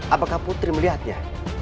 apakah putri melihatnya